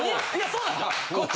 そうなんです！